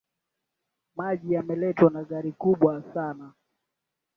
Maji yameletwa na gari kubwa sana